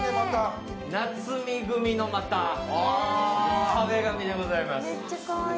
夏水組の壁紙でございます。